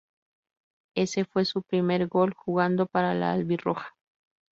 Ese fue su primer gol jugando para la "albirroja".